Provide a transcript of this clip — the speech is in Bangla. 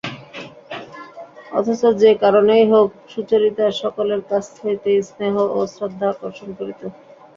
অথচ যে কারণেই হউক সুচরিতা সকলের কাছ হইতেই স্নেহ ও শ্রদ্ধা আকর্ষণ করিত।